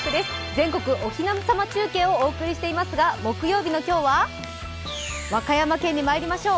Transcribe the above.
全国おひな様中継をお送りしていますが木曜日の今日は、和歌山県にまいりましょう。